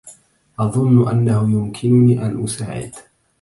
أظن أنه يمكنني أن أساعد.